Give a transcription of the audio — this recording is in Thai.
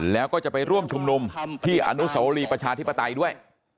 แล้วก็จะไปร่วมชุมนุมที่อนุสวรีประชาธิปไตยด้วย